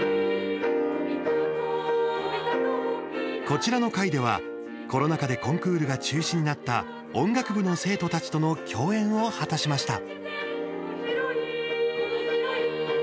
こちらの回では、コロナ禍でコンクールが中止になった音楽部の生徒たちとの共演を果たしました。